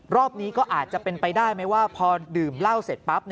รอบนี้ก็อาจจะเป็นไปได้ไหมว่าพอดื่มเหล้าเสร็จปั๊บ